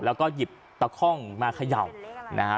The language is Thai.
แล้วก็หยิบตะข้องมาเขย่า